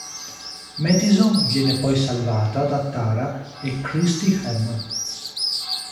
Madison viene poi salvata da Tara e Christy Hemme.